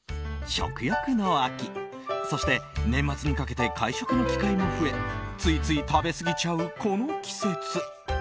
食欲の秋、そして年末にかけて会食の機会も増えついつい食べ過ぎちゃうこの季節。